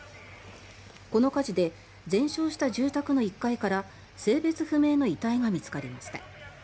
この火事で全焼した住宅の１階から性別不明の遺体が見つかりました。